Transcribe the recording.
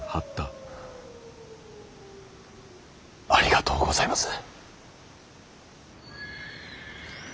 ありがとうございます。